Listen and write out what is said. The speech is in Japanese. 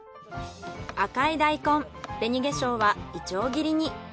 赤い大根紅化粧はいちょう切りに。